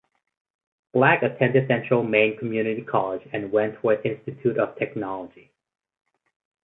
Black attended Central Maine Community College and Wentworth Institute of Technology.